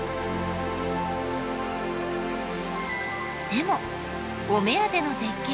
でもお目当ての絶景